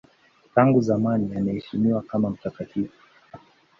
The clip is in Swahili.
Tangu zamani anaheshimiwa kama mtakatifu.